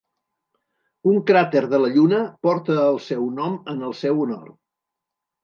Un cràter de la Lluna porta el seu nom en el seu honor.